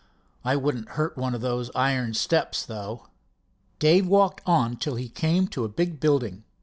"I wouldn't hurt those iron steps, though." Dave walked on till he came to a big building.